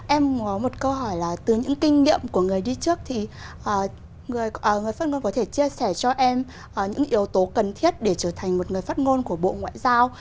em có một câu hỏi là từ những kinh nghiệm của người đi trước thì người phát ngôn có thể chia sẻ cho em những yếu tố cần thiết để trở thành một người phát ngôn của bộ ngoại giao